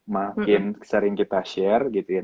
makin sering kita share gitu ya